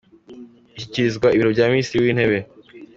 ishyikirizwa ibiro bya Minisiriti w’Intebe.